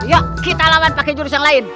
yuk kita lawan pakai jurus yang lain